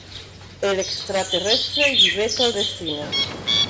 El Extraterrestre" y "Reto al destino".